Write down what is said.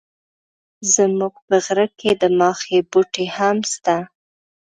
زموږ په غره کي د ماخۍ بوټي هم سته.